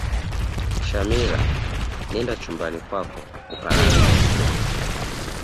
shamila nenda chumbani kwako ukalale binti yangu